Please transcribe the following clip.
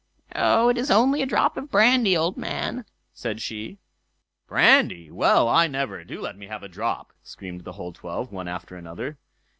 "Oh! it's only a drop of brandy, old man", said she. "Brandy! Well, I never! Do let me have a drop", screamed the whole twelve, one after another.